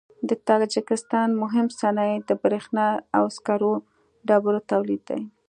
د تاجکستان مهم صنایع د برېښنا او سکرو ډبرو تولید دی.